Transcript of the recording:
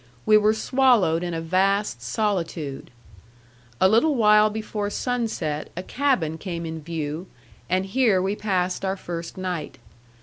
We were swallowed in a vast solitude. A little while before sunset, a cabin came in view; and here we passed our first night.